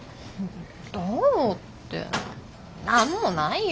どうって何もないよ。